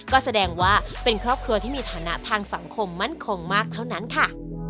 ก็แสดงว่าเป็นครอบครัวที่มีฐานะทางสังคมมั่นคงมากเท่านั้นค่ะ